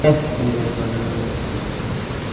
কিন্তু ঐ ভালো কাজের গোড়াতে ভুল ছিল।